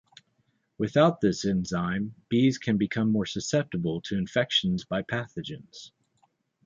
Without this enzyme, bees can become more susceptible to infections by pathogens.